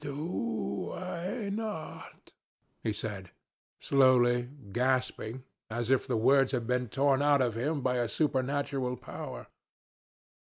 'Do I not?' he said slowly, gasping, as if the words had been torn out of him by a supernatural power.